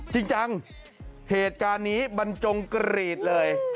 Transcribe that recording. จริงจังเหตุการณ์นี้บรรจงกรีดเลย